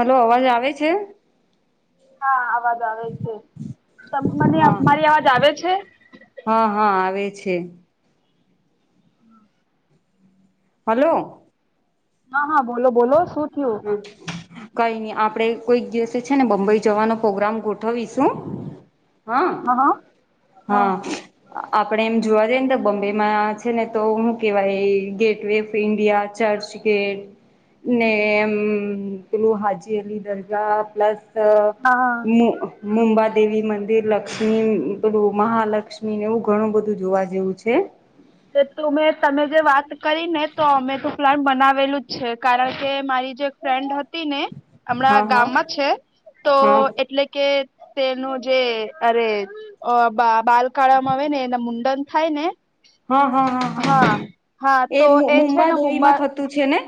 Hello અવાજ આવે છે? હા અવાજ આવે છે. તે મને હા મારી અવાજ આવે છે? હા હા આવે છે. [inaudible] હલો... હા હા બોલો બોલો શું. થયું હમ... કઈ નઇ આપડે કોઈક દિવસે છે. ને બંબઈ જવાનો પ્રોગ્રામ ગોઠવીશું. હ,.... હા હા હા આપડે એમ એમ જોવા જઈએ ન તો બંબેમાં છે. ને તો હું કેવાય gateway of India, church. [unintelligible] ને હમ, પલું હાજી અલી દરગા પ્લસ હા મુ. મુંબાદેવી મંદિર, લક્ષ્મી પેલું મહાલક્ષ્મી ન એવું ઘણું બધું જોવા જેવું છે. [unintelligible] તમે જે વાત કરી તો અમે તો પ્લાન બનાવેલું જ છે કારણ કે મારી જે. ફ્રેન્ડ હતીને હા હમણાં હા ગામમાં છે. તો હા એટલે કે. તેનું જે અરે અ બા બાલકાળામાં આવે. ને એના મુંડન થાય ને. હા હા હા હા હ એ તો છે મુંબા ને દોહીમાં મુંબઈ થતું છે. ને?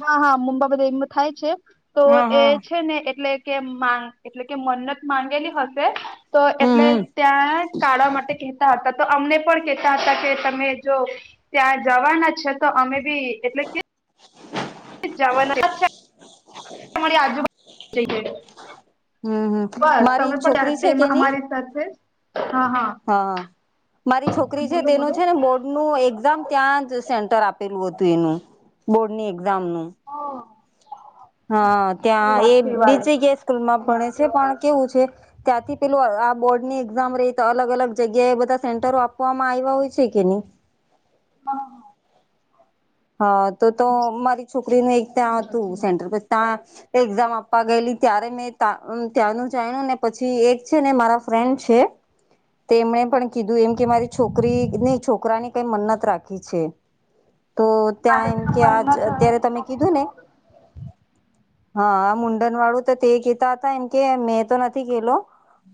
હા હા મુંબા બધા એમ થાય છે. તો હા એ હા છે. ને એટલે. કે મા એટલે કે મન્નત માંગેલી હશે. તો હમ એટલે હમ ત્યાં કાળા માટે કેહેતા હતા. તો અમને પણ કેતા હતા. કે તમે જો ત્યાં જવાના છ તો અમે બી એટલે. જવાના તમારી આજુબાજુ દેખાય છે. હમ હમ બસ મારી તમે એક છોકરી છે પણ કે [unintelligible] નહી અમારી સાથે જ, હા હા હા મારી છોકરી છે બોલો તેનો બોલો છે ને બોર્ડ નું એક્ઝામ ત્યાં જ સેન્ટર આપેલું હતું એનું બોર્ડની એક્ઝામનું હ હ ત્યાં એ બીજી ગે સ્કૂલમાં ભણે છે પણ કેવું છે. ત્યાંથી પેલું અ આ બોર્ડની ઈક્ઝામ રહી તો અલગ- અલગ જગ્યાએ બધા સેન્ટરો આપવામાં આયવા હોય છે કે ની હા હા. હા તો તો મારી છોકરીનું એક ત્યાં હા હતું સેન્ટર પર તા એક્ઝામ આપવા ગયેલી ત્યારે મેં તા ત્યાંનું જાણ્યું ને પછી એક છેને મારા ફ્રેન્ડ છે તેમણે પણ કીધું એમ કે મારી છોકરી નઈ છોકરાને કઈ મન્નત રાખી છે. તો ત્યાં એમકે આજ મન્નત અત્યારે તમે કીધું ને હા આ મુંડનવાળું તો તે કહેતા હતા એમ કે મેં તો નથી ગેલો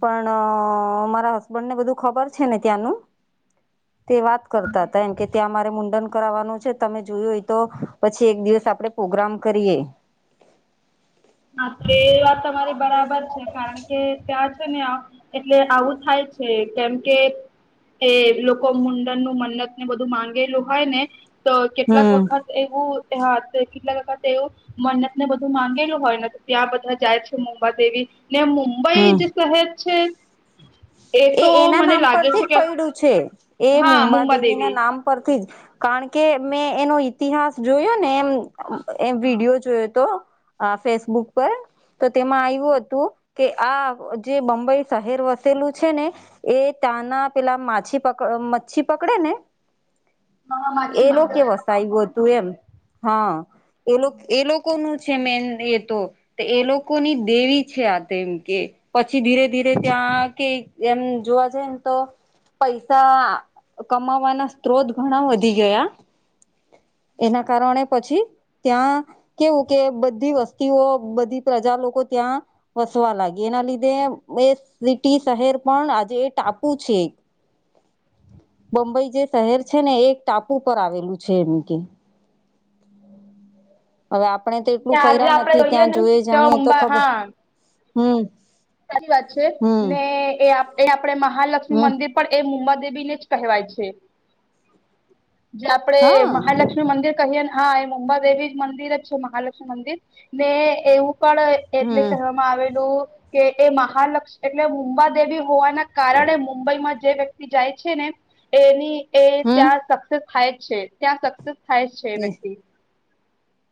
પણ મારા હસબન્ડને બધું ખબર છે ને ત્યાંનું તે વાત કરતા હતા એમ કે ત્યાં મારે મુંડન કરાવવાનું તમે જોયું હોય તો પછી એક દિવસ આપડે પ્રોગ્રામ કરીએ. હા તે વાત તમારી બરાબર છે. કારણ કે ત્યાં છે ને એટલે આવું થાય છે કેમ કે એ લોકો મુંડનનું મન્નત ને બધું માંગેલું હોય ને, તો કેટલાક હમ વખત એવું કેટલાક વખત એવું મન્નત ને બધું માંગેલું હોય, ને ત્યાં બધા જાય છે મુંબાદેવી, એવી ને મુંબઈ હમ જ શહેર છે. એ તો એના મને નામ લાગે પરથી છે જ કે પૈડ્યું છે, એ હા મુંબાદેવીના મુંબાદેવી નામ પરથી જ કારણ કે મેં એનો ઈતિહાસ જોયો ને એમ એ વિડીયો જોયો તો અ ફેસબુક પર, તો તેમાં આવ્યું હતું કે આ જે બંબઈ શહેર વસેલું છે ને એ તાના પેલા માછી પક મચ્છી પકડે ને હા એ લોકો કે માછીમારો વસાયું હતું એમ હા. એ લોકો એ લોકોનું છે મેન એ તો તો એ લોકોની દેવી છે આ તેમ કે પછી ધીરે ધીરે ત્યાં કે એમ જોવા જાય ને તો પૈસા કમાવાના સ્ત્રોત ઘણા વધી ગયા એના કારણે પછી ત્યાં કેવું કે બધી વસ્તીઓ બધી પ્રજા લોકો ત્યાં વસવા લાગી એના લીધે એ સિટી શહેર પણ આજે એ ટાપુ છે. બંબઈ જે શહેર છે ને એ એક ટાપુ પર આવેલું છે એમ કે હવે આપણે તો એટલું આજે ફર્યા આપડે નથી જોઈએ ત્યાં ને જોઈ જાણીએ તો મુંબા ખબર હા હમ્મ. સાચી વાત છે ને એ આપ એ આપડે મહાલક્ષ્મી હમ મંદિર પણ એ મુમ્મદેબીને જ કહેવાય છે, જે આપણેે હા મહાલક્ષ્મી મંદિર કહીએ ને હા એ મુંબાદેવી મંદિર જ છે મહાલક્ષ્મી મંદિર ને એવું પણ એટલે હમ કહેવામાં આવેલું, કે એ મહાલક્ષ એટલે મુંબાદેવી હોવાના કારણે મુંબઈમાં જે વ્યક્તિ જાય છે ને એની એ હમ ત્યાં સક્સેસ થાય જ છે, ત્યાં સક્સેસ થાય જ છે એ વ્યક્તિ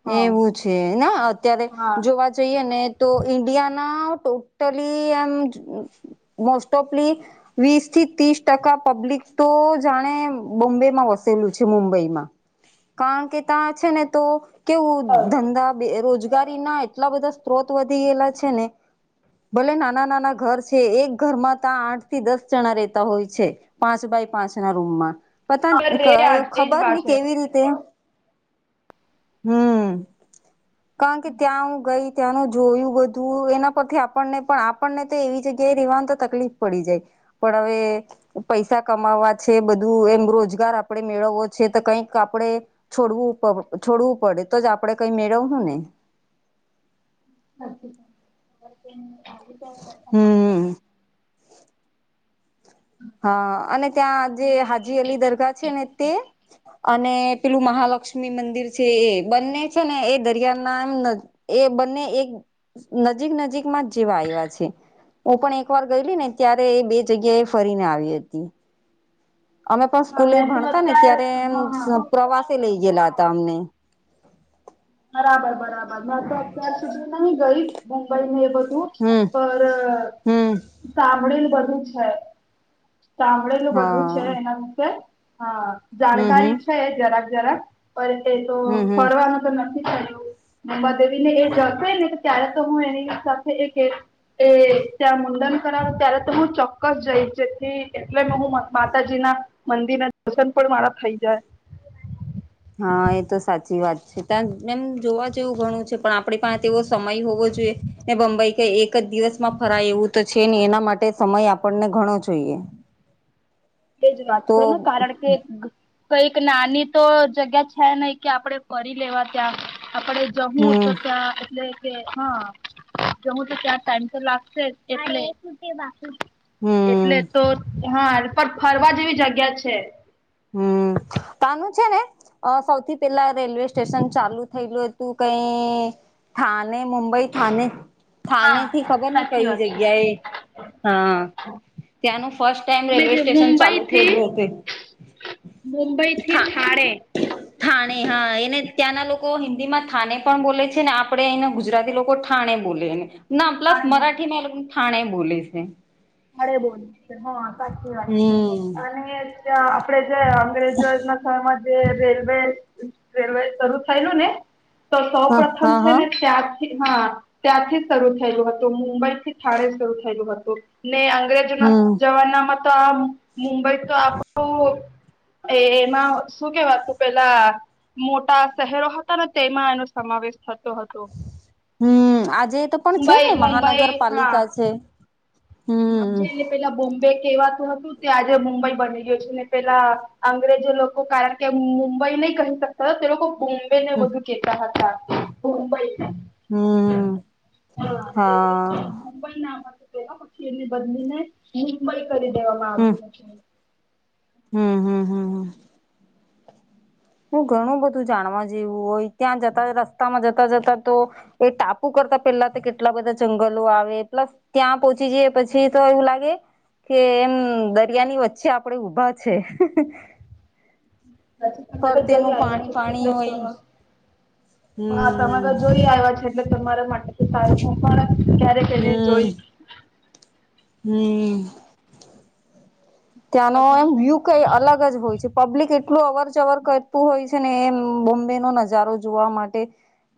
હા એવું છે ના અત્યારે હા જોવા જઈને તો ઈન્ડિયાના ટોટલી એમ મોસ્ટોપલી વીસ થી ત્રીસ ટકા પબ્લિક તો જાણે બોમ્બેમાં વસેલું છે, મુંબઈમાં કારણ કે ત્યાં છે ને તો કેવું ધંધા, બેરોજ- -ગારીના એટલા બધા સ્ત્રોત વધી ગયેલા છે ને, ભલે નાના-નાના ઘર છે એક ઘરમાં તો આઠ થી દસ જણા રેતા હોય છે. પાંચ બાય પાંચ ના રૂમમાં પતા રે આ એજ ખબર વાત ને છે કેવી રીતે હમ કારણકે ત્યાં હું ગઈ ત્યાંનું જોયું બધું એના પરથી આપણને પણ આપણને તો એવી જગ્યાએ રેવાનું તો તકલીફ પડી જાય. પણ હવે, પૈસા કમાવવા છે, બધું એમ રોજગાર આપણેે મેળવવો છે તો કઈક આપડે છોડવું.... છોડવું પડે તો જ આપડણે કઈ મેળવું ને, હા [inaudible] હમ હા અને ત્યાં જે હાજી અલી દરગાહ છે ને તે, અને પેલું મંદિર છે એ બંને ને એ દરિયા ના એ બંને એક નજીક નજીક માં જ જેવા આવ્યા છે હું પણ એક વાર ગયેલી ને ત્યારે બે જગ્યાએ. ફરીને આવી હતી. અમે પણ હા સ્કૂલે મેં તો ભણતાને અત્યાર ત્યારે હા હા પ્રવાસે લઇ ગયેલા હતા અમને. બરાબર બરાબર મે તો અત્યાર સુધી નહી ગઈ મુંબઈને એ બધું હમ હમ સાંભળી બધું છે. સાંભળુ બધું છે હા એના વિશે હમ હમ જાણકારી છે જરાક જરાક. પર તે તો હમ હમ ફરવાનું તો નથી કર્યું. મમદેવી ને એ જશે ને ત્યારે તો હું એની સાથે એક એક એ ત્યાં મુંડન કરાવું ત્યારે તો હું ચોક્કસ જઈ જેથી એટલે મે હું માતાજીના મંદિર ના દર્શન પણ મારા થઈ જાય. હા એ તો સાચી વાત છે ત એમ જોવા જેવું ઘણું છે. પણ આપણે પણ તેવો સમય હોવો જોઈએ. ને બંબઈ કઈ એક જ દિવસમાં ફરાય એવું છે ને એના માટે સમય ઘણો જોઈએ. તે જ વાત તો કરુ ન કારણ કે કઈક નાની તો જગ્યા છે નહ કે આપડણે ફરી લેવા ત્યાં આપડે જમું હમ તતા એટલે હા જમુ તો ચાર ટાઈમ તો લાગશે એટલે એટલે હમ તો હા પણ ફરવા જેવી જગ્યા છે. હમ. કાનું છે ને સૌથી પેલા રેલવે સ્ટેશન થયેલું કઈ થાણે મુંબઈ થાણે. હા થાને થી ખબર નઈ સાચી કઈ વાત જગ્યા એ હા. ત્યાંનું ફર્સ્ટ રેલવે છે સ્ટેશન મુંબઈ ચાલુ થી હતું. મુંબઈ થી થા થાણે [inaudible] એને ત્યાંના લોકો હિન્દી માં થાને પણ બોલે છે ને આપણેે એને ગુજરાતી લોકો થાણે બોલે છે ને ના પ્લસ થાણે બોલ મરાઠમાં એ લોકોને થાણે બોલે છે. હઠે બોલ હ સાચી વાત છે હમ અને ત્યાં આપડેજે અંગ્રેજો ના સમાંજે રેલવે, રેલવે શરુ થયેલુંને. તો સૌ હા પ્રથમ હા છે હા ને ત્યાં હા ત્યાંથી શરૂ થયેલું હતું, મુંબઈ થી થણે શરૂ થયેલું હતું, ને અંગ્રેજ તેના હમ જવાનામાં તો આમ મુંબઈ તો આપણું એ એમાં શું કેવાતુ પેલા મોટા શહેરો હતાને, તેમાં એનો સમાવેશ થતો હતો. હમ્મ, આજે તો પણ મુંબઈ છેને, મુંબઈ મહાનગરપાલિકા છે. હજ હમ એને પેલા બોમ્બે કેવાતું હતું. આજે મુંબઈ બની ગયો છે, ને પેલા અંગ્રેજો લોકો કારણકે મુંબઈ નહી કહી શક હતા, તે લોકો બોમ્બે ને બધું કેતા હતા, મુંબઈ હમ્મ, હા. મુંબઈ નામ હતું પેલા, પછી એની બદલીને મુંબઈ કરી દેવામાં આવ્યું હતું. હમ્મ હમ્મ હમ્મ હમ્મ હું ઘણું બધું જાણવા જેવું હોય, ત્યાં જતા રસ્તામાં જતા જતા તો એ ટાપુ કરતા પેલાતે કેટલા બધા જંગલો આવે પ્લસ ત્યાં પહોંચી જઈએ પછી તો એવું લાગે. કે એમ દરિયાની વચ્ચે આપડે ઉભા છે. પછી તમારે ઘરે ફરતેનું પાણી આવીયો પાણી એટલે હોય [unintelligible] હા હમ તમારા જોઈ આવ્યા છે. એટલે તમારા માટેતો સારું હું પણ ક્યારેક જઈને જોઈ હમ્મ ત્યાંનો એમ વ્યૂ કઈ અલગ જ હોય છે. પબ્લિક એટલું અવર જવર કરતું હોય છે ને, એમ બોમ્બેનો નજારો જોવા માટે.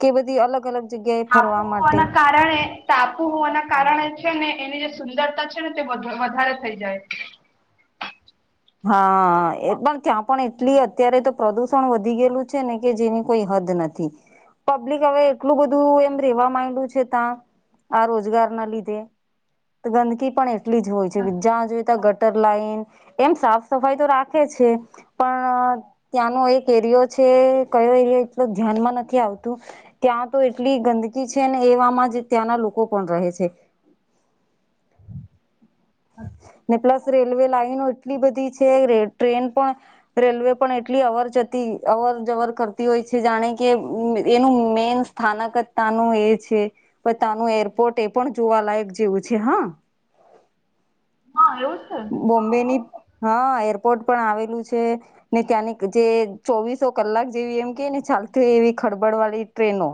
કે બધી અલગ અલગ જગ્યાએ ફરવા ટાપું માટે ઓના કા સે ને, ટાપુ હોવાના કારણે છે ને એની જે સુંદરતા છેને તે વધ વધારે થઈ જાય. હા, એ પણ ત્યાં પણ એટલી અત્યારે તો પ્રદૂષણ વધી ગેલુ છેને, કે જેની કોઈ હદ નથી. પબ્લિક હવે એટલું બધું એમ રેવા માંડ્યું છે ત્યાં, આ રોજગારના લીધે. તો ગંદકી પણ એટલી જ હોય છે, કે જ્યાં જોઈ તા ગટર લાઈન, એમ સાફ સફાઈ તો રાખે છે. પણ ત્યાંનો એક એરિયો છે, કયો એરયો એટલો ધ્યાનમાં નથી આવતું. ત્યાં તો એટલી ગંદકી છેને, એવામાં જ ત્યાંના લોકો પણ રહે છે. [inaudible] ને પ્લસ રેલવે લાઈનો એટલી બધી છે, રે ટ્રેન પણ રેલવે પણ એટલી અવર જતી, અવર જવર કરતી હોય છે, જાણે કે એ એનું મેન સ્થાનક જ તાનું એ છે, પહિ તાનું એરપોર્ટ એ પણ જોવાલાયક જેવું છે હા. હા એવું છે. બોમ્બેની, હા એરપોર્ટ પણ આવેલું છે. ને ત્યાંની જે ચોવીસો કલાક જેવી એમ કેય ને ચાલતી હોય, એવી ખળબડ વાળી ટ્રેનો.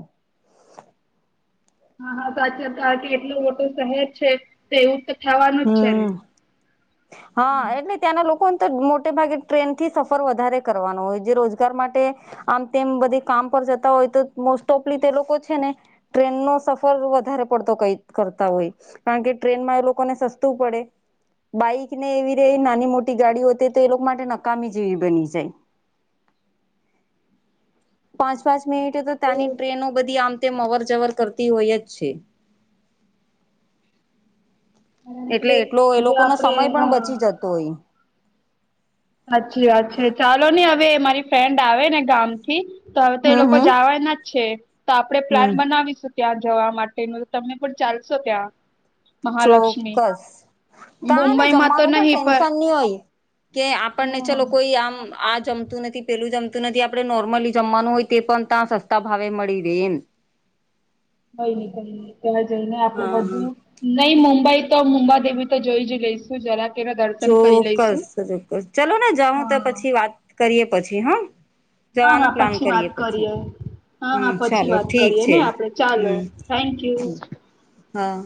હા હા સાચે તા કેટલુ મોટુ શહેર છે. તો એવું તો થવાનું જ છે ને, હમ હા હમ્મ. એટલે ત્યાંના લોકોને તો મોટે ભાગે ટ્રેનથી સફર વધારે કરવાનો હોય, જે રોજગાર માટે આમ તેમ બધી કામ પર જતા હોયતો, મોસ્ટ ઓફલી તે લોકો છે ને ટ્રેનનો સફર વધારે પડતો કઈ કરતા હોય, કારણકે ટ્રેનમાં એ લો કોને સસ્તું પડે. બાઈકને એવી રેય નાની મોટી ગાડીઓ તે તો એ લોકો માટે નકામી જેવી બની જાય. પાંચ પાંચ મિનિટે તો ત્યાંની ટ્રેનો બધી આમ તેમ અવર જવર કરતી હોય જ છે. કારણ એટલે કે એટલો એ જો લોકો નો આપડે સમય પણ હા બચી જતો હોય. સાચી વાત છે ચાલો ને હવે મારી ફ્રેન્ડ આવે ને ગામથી તો હવે તે હમ લોકો હમ જવા ના જ છે તો આપણે હમ પ્લાન બનાવીશું. ત્યાં જવા માટેનું તમે પણ ચાલશો ત્યાં. મહાલક્ષ્મી ચોક્કસ તા હેને મુંબઈમાં તો જમવાનું પણ નહી ટેન્શન ની હોય. કે આપણને ચલો પણ કોઈ આમ આ જમતું નથી પેલું જમતું નથી આપણે નોર્મલી જમવાનું હોય તે પણ તા સસ્તા ભાવે મળી રહે એમ. કઈ નઈ કઈ નહી ત્યાં જઈને આપડે હા હા બધું નહી મુંબઈ તો મુુંબાદેવી તો જોઈ જ લઈશ. જરા કેરા દર ચોક્કસ ચોક્કસ ચલો ને જાઉં તો હા પછી વાત કરીએ પછી હા. હા જવાનું હા પ્લાન પછી કરીએ વાત પછી હા હા હમ્મ પછી ચાલો વાત ઠીક કરીએ છે ને આપડે ચાલો હમ્મ થેન્ક યુ. હમ્મ હા.